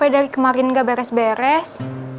dari kemarin gak beres beres